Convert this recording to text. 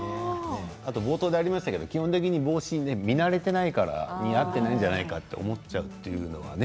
冒頭でありましたけど基本的に帽子に慣れていないから似合っていないんじゃないかと思っちゃうというのがね